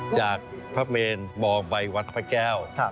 จากพระเมนมองไปวัดพระแก้ว